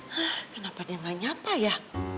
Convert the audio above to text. hah kenapa dia gak nyapa ya